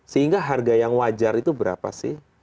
sehingga harga yang wajar itu berapa sih